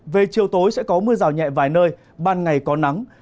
về chiều tối sẽ có mưa rào nhẹ vài nơi ban ngày có nắng